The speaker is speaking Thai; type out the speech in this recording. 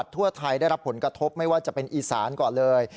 ทั่วไทยได้รับผลกระทบไม่ว่าจะเป็นอีสานก่อนเลย